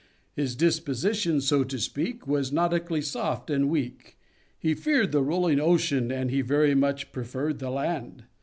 _ _His disposition, so to speak, Was nautically soft and weak; He feared the rolling ocean, and He very much preferred the land.